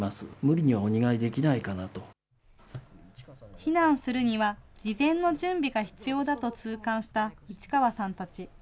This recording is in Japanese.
避難するには事前の準備が必要だと痛感した市川さんたち。